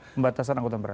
pembatasan angkutan berat